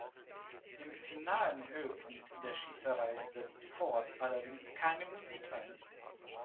Im finalen Höhepunkt der Schießerei setzt Ford allerdings keine Musik ein.